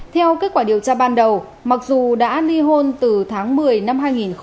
theo kết quả điều tra ban đầu mặc dù đã ly hôn từ tháng một mươi năm hai nghìn một mươi bảy